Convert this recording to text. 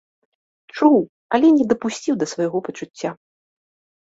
Чуў, але не дапусціў да свайго пачуцця.